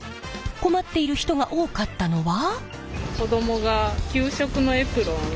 困っている人が多かったのは。